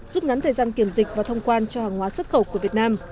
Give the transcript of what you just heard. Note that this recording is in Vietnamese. giúp ngắn thời gian kiểm dịch và thông quan cho hàng hóa xuất khẩu của việt nam